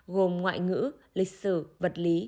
gồm ngoại ngữ lịch sử vật lý